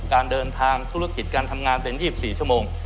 การเดินทางธุรกิจการทำงานเป็น๒๔ชั่วโมง